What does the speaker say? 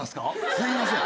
すみません。